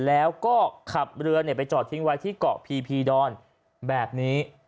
แล้วก็ขับเรือไปจอดทิ้งไว้ที่เกาะพีพีดอนแบบนี้